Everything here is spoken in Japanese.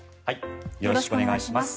よろしくお願いします。